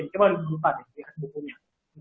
coba kita lihat bukunya